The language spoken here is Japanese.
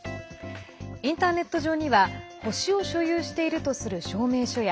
インターネット上には星を所有しているとする証明書や